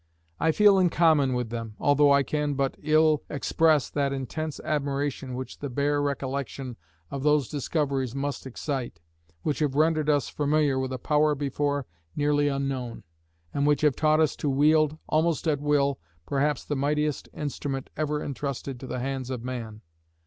I feel in common with them, although I can but ill express that intense admiration which the bare recollection of those discoveries must excite, which have rendered us familiar with a power before nearly unknown, and which have taught us to wield, almost at will, perhaps the mightiest instrument ever intrusted to the hands of man.